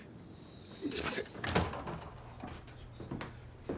すいません。